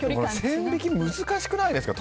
線引きが難しくないですか？